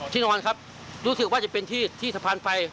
นอนครับรู้สึกว่าจะเป็นที่สะพานไฟ